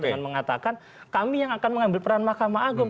dengan mengatakan kami yang akan mengambil peran mahkamah agung